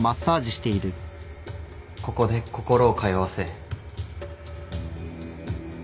ここで心を通わせ。